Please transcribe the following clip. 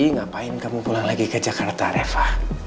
ngapain kamu pulang lagi ke jakarta reva